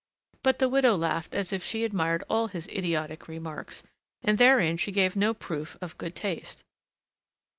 But the widow laughed as if she admired all his idiotic remarks, and therein she gave no proof of good taste.